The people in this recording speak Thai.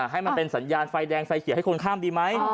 ให้มันเป็นสัญญาณไฟแดงไฟเขียวให้คนข้ามดีไหม